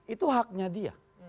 itu haknya dia